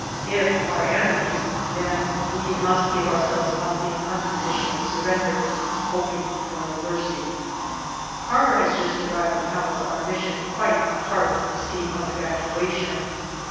If our enemies, then we must give ourselves up in unconditional surrender, hoping for no mercy. Carver has just arrived from Helles on a mission quite apart from the scheme of evacuation.